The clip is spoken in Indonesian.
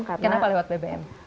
kenapa lewat bbm